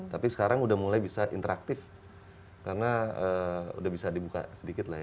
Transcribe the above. tapi sekarang udah mulai bisa interaktif karena udah bisa dibuka sedikit lah ya